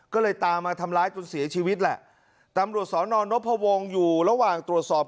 ก็เลยตามมาทำร้ายจนเสียชีวิตแหละตำรวจสอนอนนพวงอยู่ระหว่างตรวจสอบ